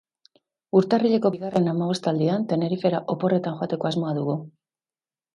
Urtarrileko bigarren hamabostaldian Tenerifera oporretan joateko asmoa dugu.